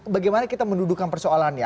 bagaimana kita mendudukan persoalannya